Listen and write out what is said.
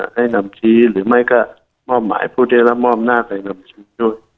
ให้นำชี้หรือไม่ก็มอบหมายพูดเรียกแล้วมอบหน้าให้นำชี้ด้วย